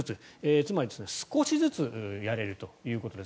つまり少しずつやれるということです。